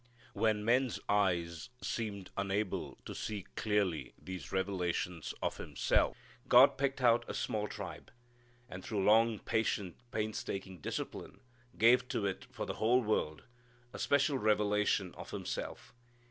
" When men's eyes seemed unable to see clearly these revelations of Himself, God picked out a small tribe, and through long, patient, painstaking discipline, gave to it, for the whole world, a special revelation of Himself.